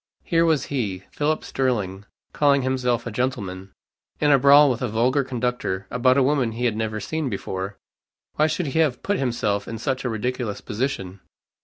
Here was he, Philip Sterling, calling himself a gentleman, in a brawl with a vulgar conductor, about a woman he had never seen before. Why should he have put himself in such a ridiculous position?